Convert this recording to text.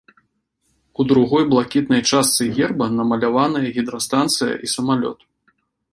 У другой блакітнай частцы герба намаляваныя гідрастанцыя і самалёт.